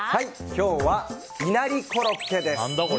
今日はいなりコロッケです。